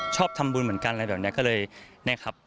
ชอบทำบุญเหมือนกันแล้วแบบนี้ก็เลยนะครับ